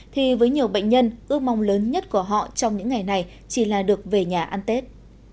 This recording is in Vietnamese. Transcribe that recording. thì với nhiều bệnh nhân ước mong lớn nhất của họ trong những ngày này chỉ là được về nhà ăn tết